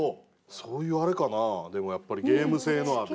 そういうあれかなでもやっぱりゲーム性のある。